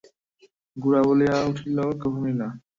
গোরা বলিয়া উঠিল, কখনোই না।